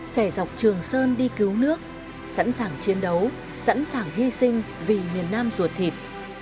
sẻ dọc trường sơn đi cứu nước sẵn sàng chiến đấu sẵn sàng hy sinh vì miền nam ruột thịt